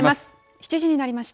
７時になりました。